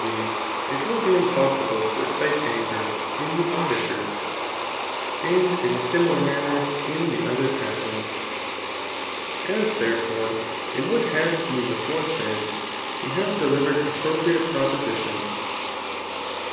these, it will be impossible to excite anger [in theau^ ditqrs.} And in a^milar manner in the: other, passipifs, A$» tberefpre,. in what b^ been t^pre said,, we havi^ delivered [appropriate] propositions, ^e.